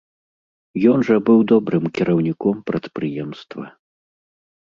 Ён жа быў добрым кіраўніком прадпрыемства.